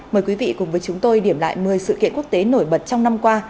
mời quý vị cùng với chúng tôi điểm lại một mươi sự kiện quốc tế nổi bật trong năm qua